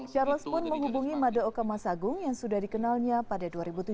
charles pun menghubungi mada okama sagung yang sudah dikenalnya pada dua ribu tujuh